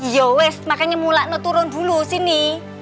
ya ya makanya mulak lo turun dulu sini